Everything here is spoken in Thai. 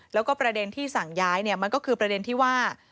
แล้วก็ประเด็นที่สั่งย้ายมันก็คือประเด็นที่ว่า